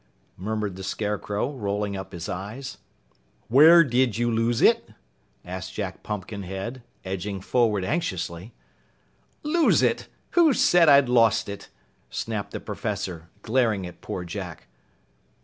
murmured the Scarecrow, rolling up his eyes. "Where did you lose it?" asked Jack Pumpkinhead, edging forward anxiously. "Lose it! Who said I'd lost it?" snapped the Professor, glaring at poor Jack.